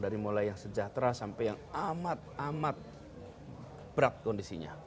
dari mulai yang sejahtera sampai yang amat amat berat kondisinya